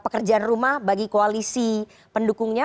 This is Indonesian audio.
pekerjaan rumah bagi koalisi pendukungnya